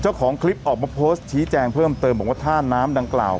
เจ้าของคลิปออกมาโพสต์ชี้แจงเพิ่มเติมบอกว่าท่าน้ำดังกล่าว